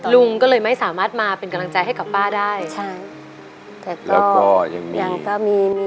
ลุงก็เลยไม่สามารถมาเป็นกำลังใจให้กับป้าได้ใช่แต่ป้ายังมียังก็มีมี